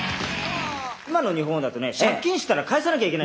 今の日本だとね借金したら返さなきゃいけない。